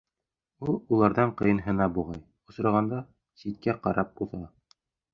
Ул уларҙан ҡыйынһына буғай, осрағанда, ситкә ҡарап уҙа.